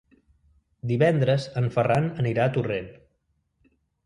Divendres en Ferran anirà a Torrent.